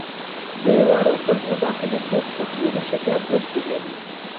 د وړو کولمو داخلي پوښ بخملي شکله ګونځې لري.